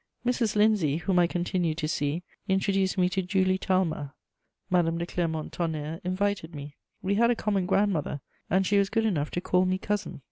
Mrs. Lindsay, whom I continued to see, introduced me to Julie Talma. Madame de Clermont Tonnerre invited me. We had a common grandmother, and she was good enough to call me cousin.